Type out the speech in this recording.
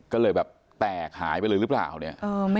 ก็เลยแบบแตกหายไปเลยหรือเปล่าเนี่ย